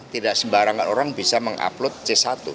tidak sembarangan orang bisa mengupload c satu